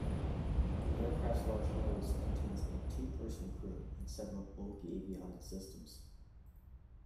The aircraft's large nose contains a two-person crew and several bulky avionics systems.